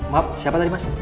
maaf siapa tadi mas